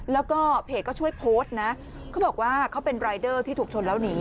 แล้วก็เพจก็ช่วยโพสต์นะเขาบอกว่าเขาเป็นรายเดอร์ที่ถูกชนแล้วหนี